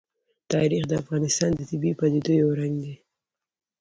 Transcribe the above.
تاریخ د افغانستان د طبیعي پدیدو یو رنګ دی.